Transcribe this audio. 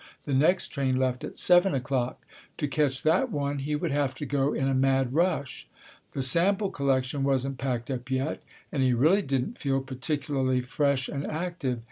The next train left at seven o'clock. To catch that one, he would have to go in a mad rush. The sample collection wasn't packed up yet, and he really didn't feel particularly fresh and active.